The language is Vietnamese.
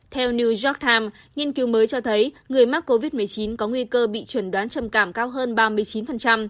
theo new york times nghiên cứu mới cho thấy người mắc covid một mươi chín có nguy cơ bị chuẩn đoán trầm cảm cao hơn ba mươi chín